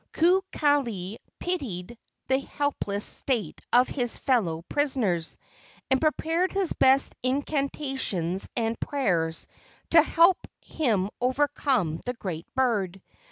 Kukali pitied the helpless state of his fellow prisoners and prepared his best incantations and prayers to help him overcome the great bird.